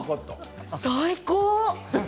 最高。